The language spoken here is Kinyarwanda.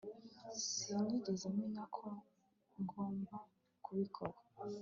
sinigeze menya ko ngomba kubikora